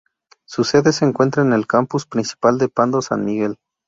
Su sede se encuentra en el campus principal de Pando, San Miguel.